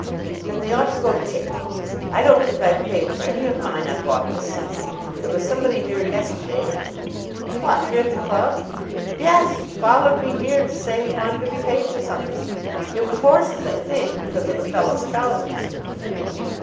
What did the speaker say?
"Then they ought to go tick. I don't think I've paid for any of mine I've bought this season. There was somebody here yesterday " "What! here at the club?" "Yes; followed me here to say he wanted to be paid for something! It was horses, I think, because of the fellow's trousers."